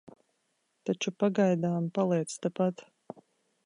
Taču pagaidām paliec tepat.